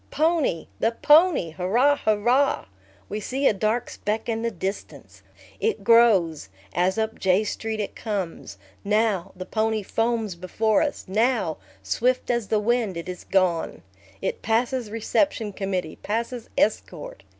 Pony! The pony, hurrah, hurrah! We see a dark speck in the distance. It grows, as up J Street it comes. Now, the pony foams before us; now, swift as the wind, it is gone. It passes reception committee, passes escort.